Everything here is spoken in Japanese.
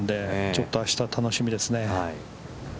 ちょっと、あしたも楽しみですね。